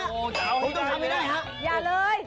โอ้โฮอย่าเอาให้ได้เลยครับอย่าเลยโอ้โฮอย่าเอาให้ได้เลยครับ